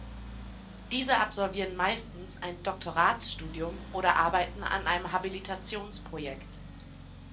Diese absolvieren meistens ein Doktoratsstudium oder arbeiten an einem Habilitationsprojekt.